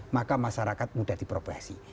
maka masyarakat mudah diprovokasi